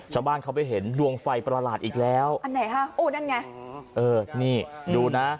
ชาวบ้านเขาไปเห็นดวงไฟประหลาดอีกแล้วอันไหนฮะโอ้นั่นไงเออนี่ดูนะ